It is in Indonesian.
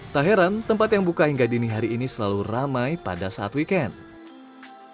tak heran tempat yang buka hingga dini hari ini selalu ramai pada saat weekend